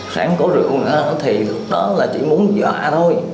sáng có rượu nữa thì lúc đó là chỉ muốn dọa thôi